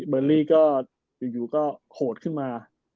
เบอร์รี่ก็อยู่ก็โหดขึ้นมา